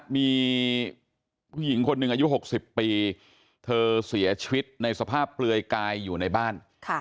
มีผู้หญิงคนหนึ่งอายุ๖๐ปีเธอเสียชีวิตในสภาพเปลือยกายอยู่ในบ้าน